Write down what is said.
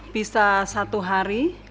bisa satu hari